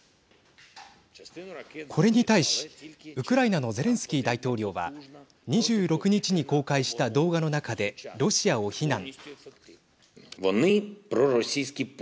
これに対しウクライナのゼレンスキー大統領は２６日に公開した動画の中でロシアを非難。